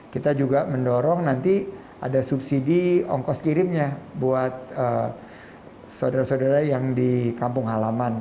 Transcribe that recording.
kita juga mendorong nanti ada subsidi ongkos kirimnya buat saudara saudara yang di kampung halaman